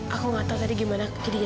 aku gak tau tadi gimana kegidinya